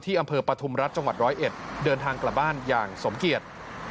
ที่อำเภอปธุมรัฐจังหวัด๑๐๑เดินทางกลับบ้านอย่างสมเกียจ